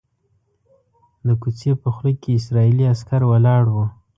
د کوڅې په خوله کې اسرائیلي عسکر ولاړ وو.